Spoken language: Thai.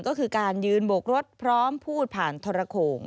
ก็คือการยืนบกรถพร้อมพูดผ่านทรโขง